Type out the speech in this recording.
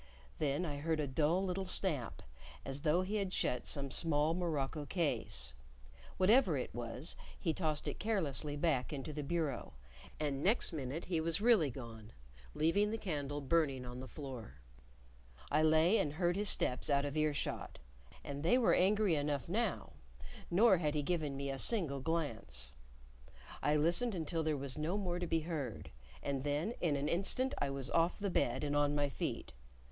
Then I heard a dull little snap, as though he had shut some small morocco case; whatever it was, he tossed it carelessly back into the bureau; and next minute he was really gone, leaving the candle burning on the floor. I lay and heard his steps out of earshot, and they were angry enough now, nor had he given me a single glance. I listened until there was no more to be heard, and then in an instant I was off the bed and on my feet.